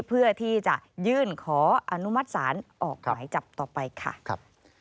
เพื่อที่จะยื่นขออนุมัติศาลออกหมายจับต่อไปค่ะ